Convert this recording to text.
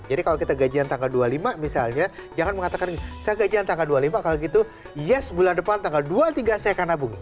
jadi kalau kita gajian tanggal dua puluh lima misalnya jangan mengatakan gini saya gajian tanggal dua puluh lima kalau gitu yes bulan depan tanggal dua puluh tiga saya akan nabung